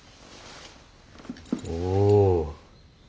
おお。